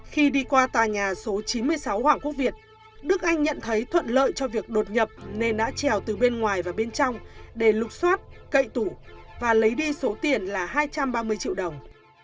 khi đi qua tòa nhà số chín mươi sáu hoàng quốc việt đức anh nhận thấy thuận lợi cho việc đột nhập nên đã trèo từ bên ngoài và bên trong để lục xoát cậy tủ và lấy đi số tiền là hai trăm ba mươi triệu đồng